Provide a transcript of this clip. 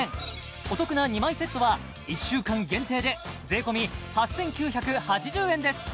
お得な２枚セットは１週間限定で税込８９８０円です